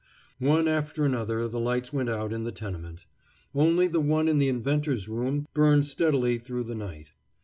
One after another the lights went out in the tenement. Only the one in the inventor's room burned steadily through the night.